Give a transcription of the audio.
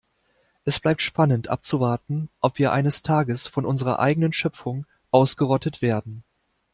Es bleibt spannend abzuwarten, ob wir eines Tages von unserer eigenen Schöpfung ausgerottet werden.